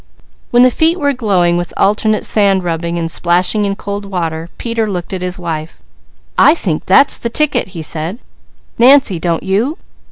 When the feet were glowing with alternate sand rubbing and splashing in cold water, Peter looked at his wife. "I think that's the ticket!" he said. "Nancy, don't you?